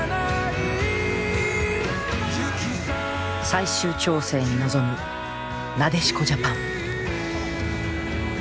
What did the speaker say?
最終調整に臨むなでしこジャパン。